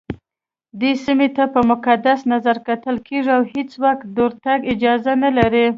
دې سيمي ته په مقدس نظرکتل کېږي اوهيڅوک دورتګ اجازه نه لري